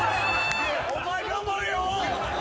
お前頑張れよ。